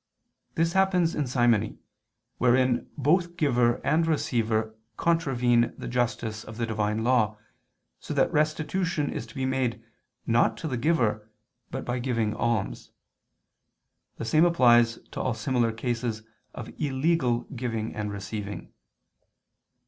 This happens in simony, wherein both giver and receiver contravene the justice of the Divine Law, so that restitution is to be made not to the giver, but by giving alms. The same applies to all similar cases of illegal giving and receiving.